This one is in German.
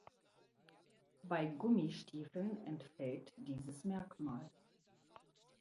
Bei Gummistiefeln entfällt dieses Merkmal.